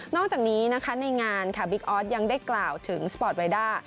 อกจากนี้นะคะในงานค่ะบิ๊กออสยังได้กล่าวถึงสปอร์ตไวด้า